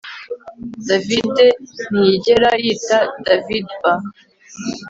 David ntiyigera yitoDavidba